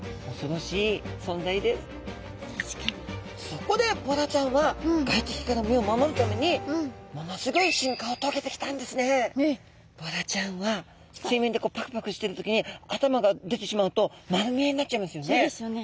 そこでボラちゃんはボラちゃんは水面でパクパクしてる時に頭が出てしまうと丸見えになっちゃいますよね。